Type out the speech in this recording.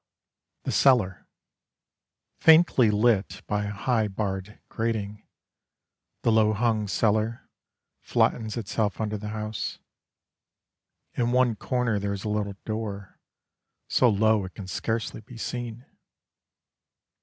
THE CELLAR Faintly lit by a high barred grating, The low hung cellar, Flattens itself under the house. In one corner There is a little door, So low, it can scarcely be seen.